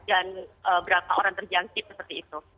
dan berapa orang terjangkit seperti itu